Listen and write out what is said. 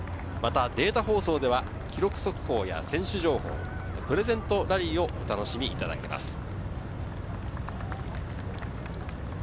またデータ放送では記録速報や選手情報、プレゼントラリーをお楽しみいただけます。